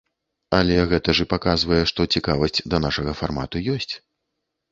Але гэта ж і паказвае, што цікавасць да нашага фармату ёсць.